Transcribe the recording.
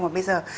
mà bây giờ